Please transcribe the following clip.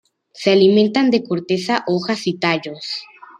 Se alimentan de corteza, hojas y tallos.